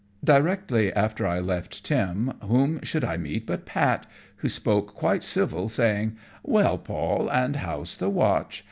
_] Directly after I left Tim, whom should I meet but Pat, who spoke quite civil, saying, "Well, Paul, and how's the watch?